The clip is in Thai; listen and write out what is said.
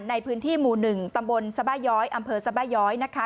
ในพื้นที่หมู่๑ตำบลสบาย้อยอำเภอสบาย้อยนะคะ